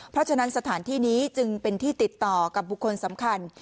เพราะฉะนั้นสถานที่นี้จึงเป็นที่ติดต่อกับบุคคลสำคัญ